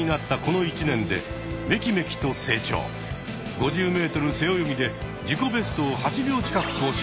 ５０ｍ背泳ぎで自己ベストを８秒近く更新。